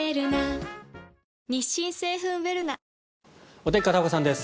お天気、片岡さんです。